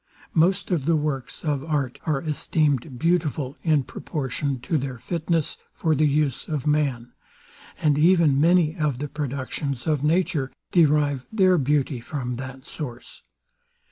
Most of the works of art are esteemed beautiful, in proportion to their fitness for the use of man, and even many of the productions of nature derive their beauty from that source.